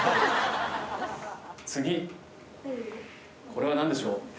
次これは何でしょう？